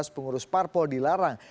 pengurus parpol dilarang